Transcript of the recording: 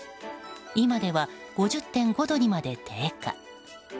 今では５０．５度にまで低下。